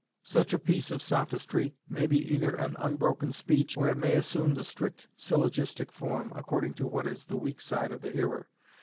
Such a piece of sophistry may be either an unbroken speech, or it may assume the strict syllogistic form, according to what is the weak side of the hearer.